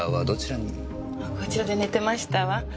こちらで寝てましたわ。